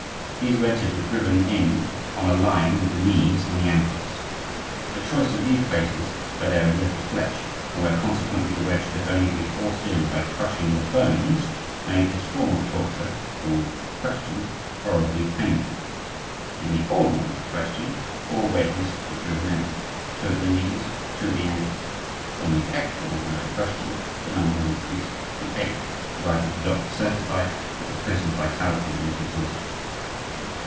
These wedges were driven in on a line with the knees and the ankles. The choice of these places where there is little flesh, and where, consequently, the wedge could only be forced in by crushing the bones, made this form of torture, called the "question," horribly painful. In the "ordinary question" four wedges were driven in,—two at the knees, two at the ankles; but in the "extraordinary question" the number was increased to eight, provided the doctor certified that the prisoner's vitality was not exhausted.